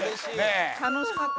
楽しかった。